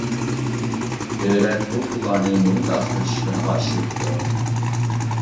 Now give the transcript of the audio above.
دۆلەت بۇ پۇللارنى مۇھىت ئاسراش ئىشلىرىغا ئىشلىتىدۇ.